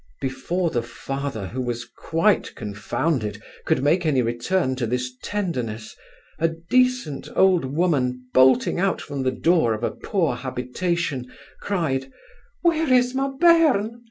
Before the father, who was quite confounded, could make any return to this tenderness, a decent old woman bolting out from the door of a poor habitation, cried, 'Where is my bairn?